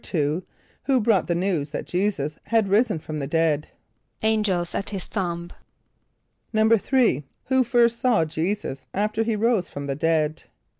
= Who brought the news that J[=e]´[s+]us had risen from the dead? =Angels at his tomb.= =3.= Who first saw J[=e]´[s+]us after he rose from the dead?